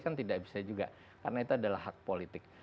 kan tidak bisa juga karena itu adalah hak politik